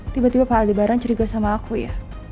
tiba tiba pak aldebaran curiga sama aku ya